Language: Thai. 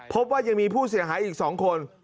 พบว่ายังมีผู้เสียหายอีก๒คน